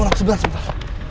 mona mona sebentar sebentar